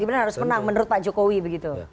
kemudian harus menang menurut pak jokowi begitu